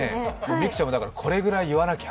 美空ちゃんもだから、これぐらい言わなきゃ。